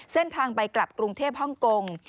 เส้นทางไปกลับกรุงเทพฮ่องกง